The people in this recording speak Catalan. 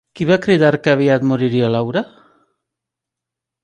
Qui va cridar que aviat moriria Laura?